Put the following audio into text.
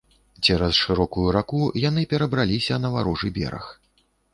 Цераз шырокую раку яны перабраліся на варожы бераг.